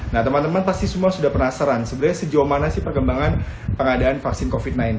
nah teman teman pasti semua sudah penasaran sebenarnya sejauh mana sih perkembangan pengadaan vaksin covid sembilan belas